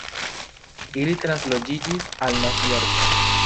Ili transloĝiĝis al Nov-Jorko.